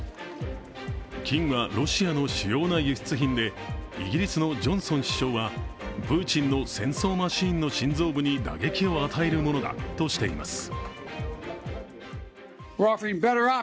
金はロシアの主要な輸出品で、イギリスのジョンソン首相はプーチンの戦争マシンの心臓部に打撃を与えるものだとしています。